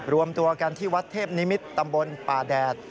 รวมตัวกันที่วัดเทพนิมิตรตำบลป่าแดด